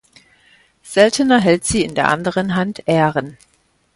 Seltener hält sie in der anderen Hand Ähren.